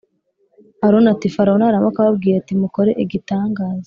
Aroni ati Farawo naramuka ababwiye ati mukore igitangaza